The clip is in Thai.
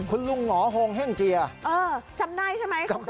คุณลุงเหงเจียเออจำได้ใช่ไหมจำได้